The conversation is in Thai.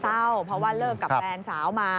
เป็นโรคซึมเศร้าเพราะว่าเลิกกับแปลนสาวมา